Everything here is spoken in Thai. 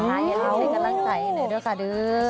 ยังมีเพลงกำลังใจอยู่ด้วยค่ะดื้อ